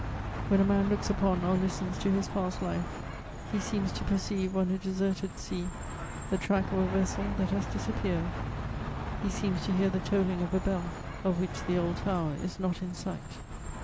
When a man looks upon or listens to his past life, he seems to perceive on a deserted sea the track of a vessel that has disappeared; he seems to hear the tolling of a bell of which the old tower is not in sight.